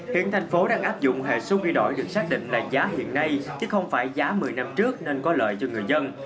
hiện thành phố đang áp dụng hệ số ghi đổi được xác định là giá hiện nay chứ không phải giá một mươi năm trước nên có lợi cho người dân